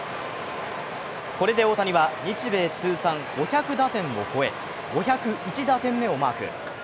これで大谷は日米通算５００打点を超え、５０１打点目をマーク。